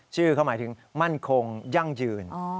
ชื่อเขาหมายถึงมั่นคงยั่งยืน